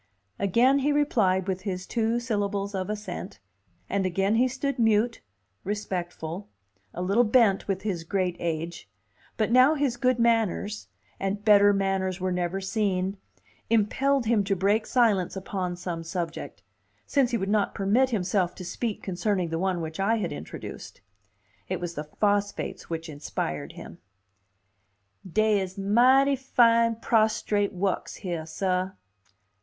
Again he replied with his two syllables of assent, and again he stood mute, respectful, a little bent with his great age; but now his good manners and better manners were never seen impelled him to break silence upon some subject, since he would not permit himself to speak concerning the one which I had introduced. It was the phosphates which inspired him. "Dey is mighty fine prostrate wukks heah, sah."